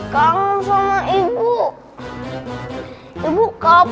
kabarin kalau ibu udah